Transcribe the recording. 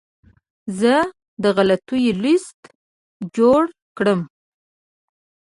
زه د غلطیو لیست جوړ کړم.